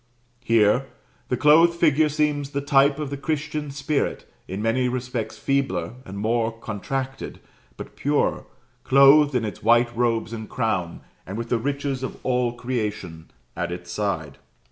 Here, the clothed figure seems the type of the Christian spirit in many respects feebler and more contracted but purer; clothed in its white robes and crown, and with the riches of all creation at its side.